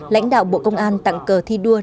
lãnh đạo bộ công an tặng cờ thi đua